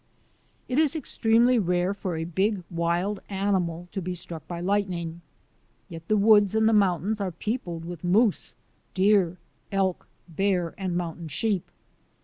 It is extremely rare for a big wild animal to be struck by lightning. Yet the woods and the moun tains are peopled with moose, deer, elk, bear, and mountain sheep.